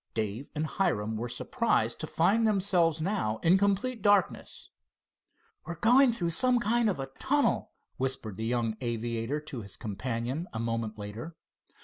Dave and Hiram were surprised to find themselves now in complete darkness. "We're going through some kind of a tunnel," whispered the young aviator to his companion a moment later.